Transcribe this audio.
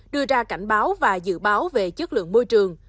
đưa ra cảnh báo và dự báo về chất lượng môi trường